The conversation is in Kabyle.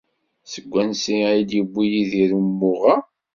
Seg wansi ay d-yewwi Yidir umuɣ-a?